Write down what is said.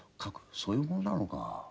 そういうものなのか。